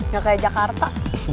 gak kayak jakarta